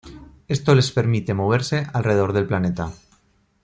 Esto les permite moverse alrededor del planeta.